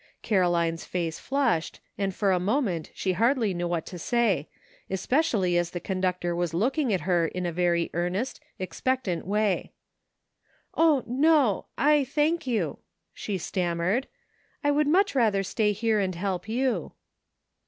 Caroline's face flushed, and for a moment she hardly knew what to say, especially as the con ductor was looking at her in a very earnest, expectant way. "O, no, I thank you!" she stammered, "I would much rather stay here and help you."